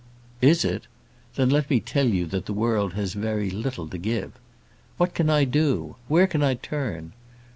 "Is it? Then let me tell you that the world has very little to give. What can I do? Where can I turn?